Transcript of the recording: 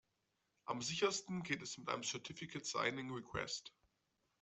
Am sichersten geht es mit einem Certificate Signing Request.